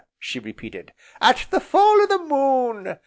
she repeated, "at the full o' the moon!